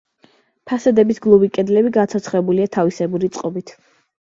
ფასადების გლუვი კედლები გაცოცხლებულია თავისებური წყობით.